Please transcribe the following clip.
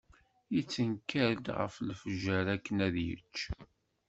Yettenkar-d ɣef lefjer akken ad yečč.